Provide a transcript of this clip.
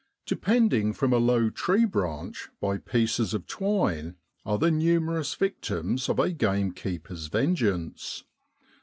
Depending from a low tree branch by pieces of twine are the numerous victims of a gamekeeper's vengeance.